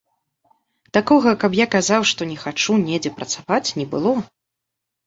Такога, каб я казаў, што не хачу недзе працаваць, не было.